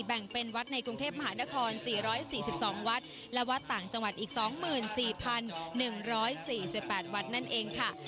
แบ่งเป็นวัดในกรุงเทพมหานคร๔๔๒วัดและวัดต่างจังหวัดอีก๒๔๑๔๘วัดนั่นเองค่ะ